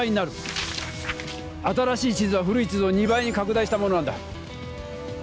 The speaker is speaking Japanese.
新しい地図は古い地図を２倍に拡大したものなんだ。